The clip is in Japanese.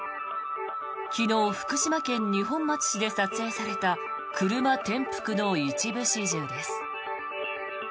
昨日、福島県二本松市で撮影された車転覆の一部始終です。